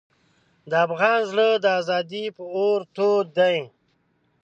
د افغان زړه د ازادۍ په اور تود دی.